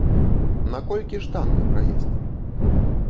Наколькі ж танны праезд?